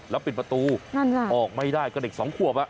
แล้วปิดประตูนั่นไงออกไม่ได้ก็เด็กสองขวบอ่ะ